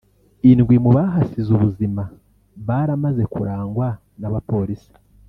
Indwi mu bahasize ubuzima baramaze kurangwa n'abapolisi